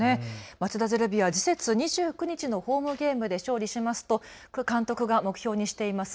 町田ゼルビア、次節２９日のホームゲームで勝利しますと黒田監督が目標にしています